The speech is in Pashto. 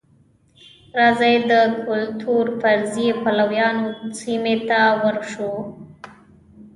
راځئ د کلتور فرضیې پلویانو سیمې ته ورشو.